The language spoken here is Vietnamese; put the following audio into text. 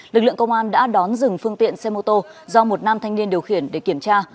lực lượng công an đã đón dừng phương tiện xe mô tô do một nam thanh niên điều khiển để kiểm tra